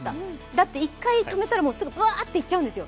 だって１回止めたらぶわーっていっちゃうんですよ。